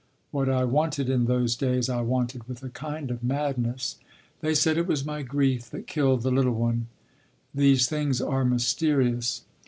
What I wanted in those days, I wanted with a kind of madness. They said it was my grief that killed the little one. These things are mysterious....